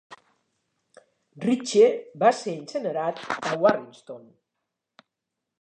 Ritchie va ser incinerat a Warriston.